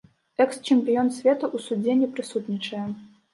Экс-чэмпіён свету ў судзе не прысутнічае.